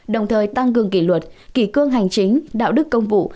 đồng thời tăng cường kỷ luật kỷ cương hành chính đạo đức công vụ